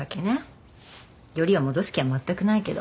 よりを戻す気はまったくないけど。